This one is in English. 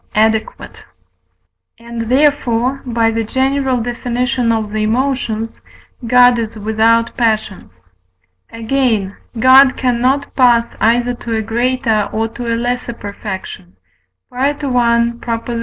adequate; and therefore (by the general Def. of the Emotions) God is without passions. Again, God cannot pass either to a greater or to a lesser perfection (I.